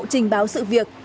trình báo sự việc